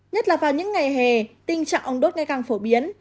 nhất là vào những ngày hè tình trạng ống đốt ngày càng phổ biến